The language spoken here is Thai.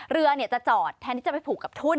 เรือจะจอดแทนที่จะไปผูกกับทุ่น